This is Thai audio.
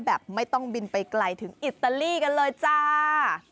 แบบไม่ต้องบินไปไกลถึงอิตาลีกันเลยจ้า